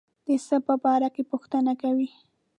د څه په باره کې پوښتنه کوي.